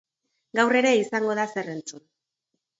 Gaur ere izango da zer entzun.